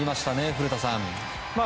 古田さん。